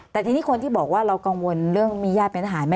แต่ทีนี้คนที่บอกว่าเรากังวลเรื่องมีญาติเป็นทหารไหม